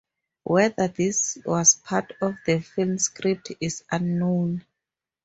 Whether this was part of the film's script is unknown.